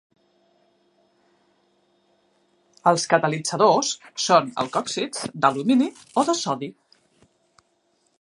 Els catalitzadors són alcòxids d'alumini o de sodi.